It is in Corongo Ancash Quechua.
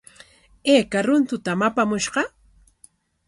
¿Ayka runtutam apamushqa?